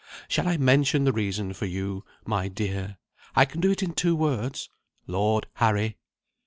Shall I mention the reason for you, my dear? I can do it in two words Lord Harry."